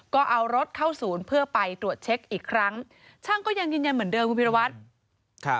ก็เอารถเข้าศูนย์เพื่อไปตรวจเช็คอีกครั้งช่างก็ยังยืนยันเหมือนเดิมคุณพิรวัตร